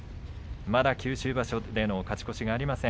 まだ九州場所での勝ち越しがありません。